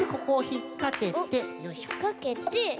ひっかけて。